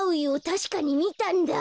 たしかにみたんだ。